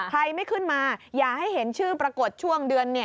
ใครไม่ขึ้นมาอย่าให้เห็นชื่อปรากฏช่วงเดือน